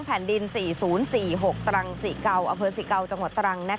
แผ่นดิน๔๐๔๖ตรัง๔๙อสิเกาจตรัง